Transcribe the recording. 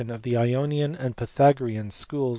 14 THE IONIAN AND PYTHAGOREAN SCHOOLS.